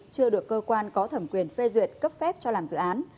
chưa được cơ quan có thẩm quyền phê duyệt cấp phép cho làm dự án